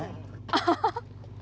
アハハハ！